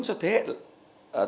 cho thế hệ